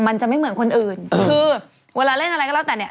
มันจะไม่เหมือนคนอื่นคือเวลาเล่นอะไรก็แล้วแต่เนี่ย